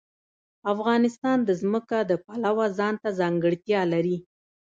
افغانستان د ځمکه د پلوه ځانته ځانګړتیا لري.